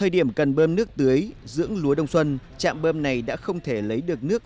điểm cần bơm nước tưới dưỡng lúa đông xuân trạm bơm này đã không thể lấy được nước